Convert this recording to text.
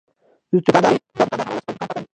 دا دوکاندار هره ورځ خپل دوکان پاکوي.